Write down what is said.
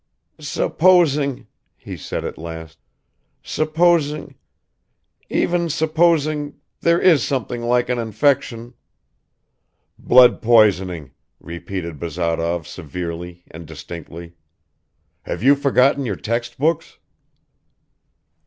"Supposing," he said at last, "supposing ... even supposing ... there is something like an infection ..." "Blood poisoning," repeated Bazarov severely and distinctly; "have you forgotten your textbooks?"